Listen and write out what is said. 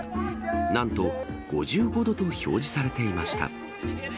なんと５５度と表示されていました。